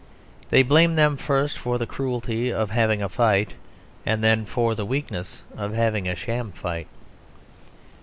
They blame them first for the cruelty of having a fight; and then for the weakness of having a sham fight.